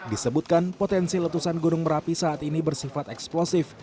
disebutkan potensi letusan gunung merapi saat ini bersifat eksplosif